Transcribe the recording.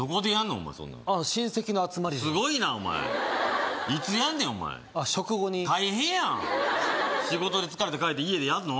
お前そんなん親戚の集まりですごいなお前いつやんねんお前食後に大変やん仕事で疲れて帰って家でやんの？